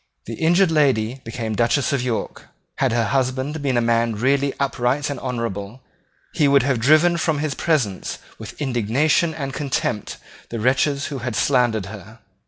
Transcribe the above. The injured lady became Duchess of York. Had her husband been a man really upright and honourable, he would have driven from his presence with indignation and contempt the wretches who had slandered her.